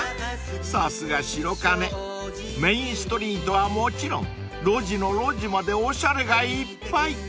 ［さすが白金メインストリートはもちろん路地の路地までおしゃれがいっぱい］